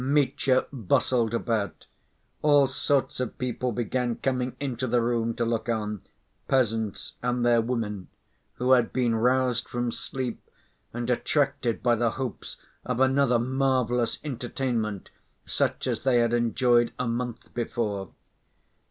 Mitya bustled about. All sorts of people began coming into the room to look on, peasants and their women, who had been roused from sleep and attracted by the hopes of another marvelous entertainment such as they had enjoyed a month before.